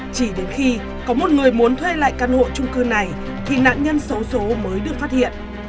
chỉ đến khi có một người muốn thuê lại căn hộ trung cư này thì nạn nhân xấu xố mới được phát hiện